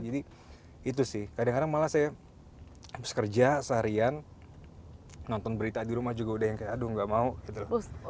jadi itu sih kadang kadang malah saya habis kerja seharian nonton berita di rumah juga udah yang kayak aduh gak mau gitu loh